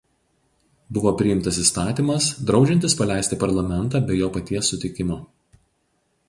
Buvo priimtas įstatymas draudžiantis paleisti parlamentą be jo paties sutikimo.